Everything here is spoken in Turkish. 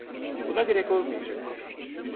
Buna gerek olmayacak.